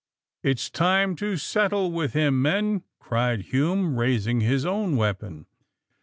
It's time to settle with him, men!" cried Hume, raising his own weapon.